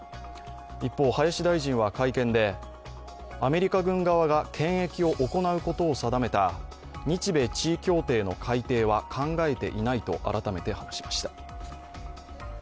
一方、林大臣は会見でアメリカ軍側が検疫を行うことを定めた日米地位協定の改定は考えていないと改めて話しました。